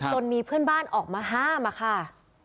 จนมีเพื่อนบ้านออกมาห้ามอะค่ะ